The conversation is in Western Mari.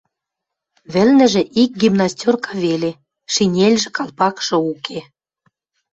Вӹлнӹжӹ ик гимнастёрка веле, шинельжӹ, калпакшы уке.